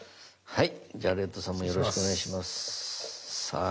はい。